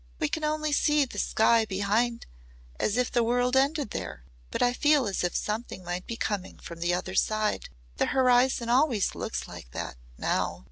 "We can only see the sky behind as if the world ended there. But I feel as if something might be coming from the other side. The horizon always looks like that now.